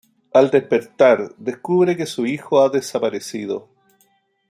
Al despertar, descubre que su hijo ha desaparecido.